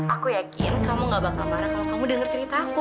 aku yakin kamu gak bakal parah kalau kamu denger cerita aku